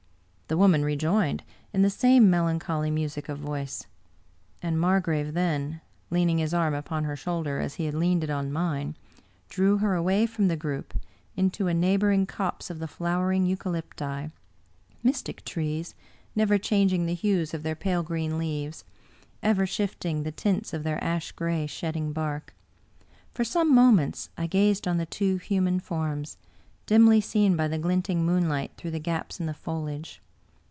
The woman rejoined, in the same melancholy music of voice. And Margrave then, leaning his arm upon her shoulder, as he had leaned it on mine, drew her away from the group into a neighboring copse of the flowering eucalypti — ^mystic trees, never chang ing the hues of their pale green leaves, ever shifting the tints of their ash gray, shedding bark. For some mo ments I gazed on the two human forms, dimly seen by the glinting moonlight through the gaps in the foliage.